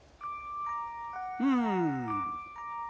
うん。